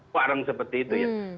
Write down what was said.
warang seperti itu ya